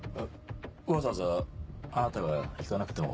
わざわざあなたが行かなくても。